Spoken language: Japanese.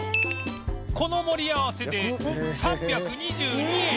この盛り合わせで３２２円